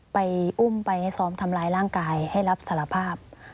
ไปอุ้มไปให้ซ้อมทำร้ายร่างกายให้รับสารภาพ